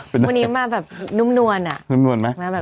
วันนี้มาแบบนุ่มนวลอ่ะ